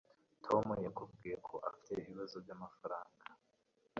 Tom yakubwiye ko afite ibibazo byamafaranga?